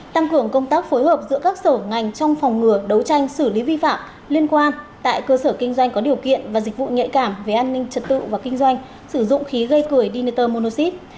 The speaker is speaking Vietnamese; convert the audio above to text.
tăng cường công tác phối hợp giữa các sở ngành trong phòng ngừa đấu tranh xử lý vi phạm liên quan tại cơ sở kinh doanh có điều kiện và dịch vụ nhạy cảm về an ninh trật tự và kinh doanh sử dụng khí gây cười diniter monoxid